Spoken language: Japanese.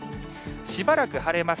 しばらく晴れます。